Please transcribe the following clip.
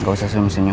gak usah senyum senyum